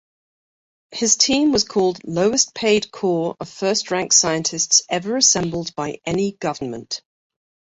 His team was called lowest-paid corps of first-rank scientists ever assembled by any government.